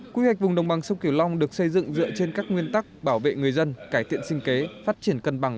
quy hoạch vùng đồng bằng sông kiều long được xây dựng dựa trên các nguyên tắc bảo vệ người dân cải thiện sinh kế phát triển cân bằng